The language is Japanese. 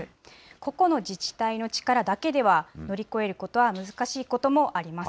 個々の自治体の力だけでは乗り越えることは難しいこともあります。